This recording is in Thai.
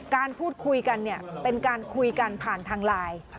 การพูดคุยกันเนี่ยเป็นการคุยกันผ่านทางไลน์